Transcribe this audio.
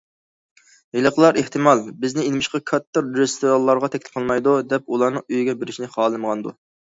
ھېلىقىلار ئېھتىمال‹‹ بىزنى نېمىشقا كاتتا رېستورانلارغا تەكلىپ قىلمايدۇ›› دەپ، ئۇلارنىڭ ئۆيىگە بېرىشنى خالىمىغاندۇ.